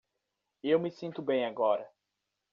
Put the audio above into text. Eu me sinto bem agora.